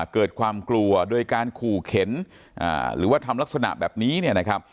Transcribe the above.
เกิดความกลัวโดยการขู่เข็นหรือว่าทำลักษณะแบบนี้เนี่ยนะครับ